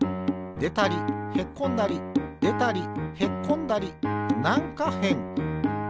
でたりへっこんだりでたりへっこんだりなんかへん。